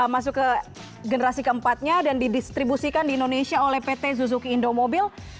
masuk ke generasi keempatnya dan didistribusikan di indonesia oleh pt suzuki indomobil